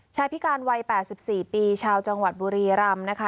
พิการวัย๘๔ปีชาวจังหวัดบุรีรำนะคะ